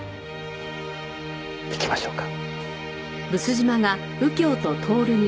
行きましょうか。